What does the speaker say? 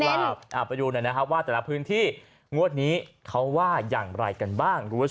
อาบอายุว่าแต่ละพื้นที่งวดนี้เขาว่าอย่างไรกันบ้าง